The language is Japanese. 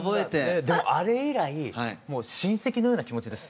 あれ以来もう親戚のような気持ちです。